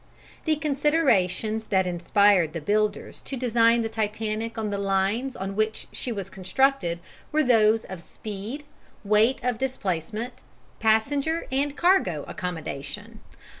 The considerations that inspired the builders to design the Titanic on the lines on which she was constructed were those of speed, weight of displacement, passenger and cargo accommodation.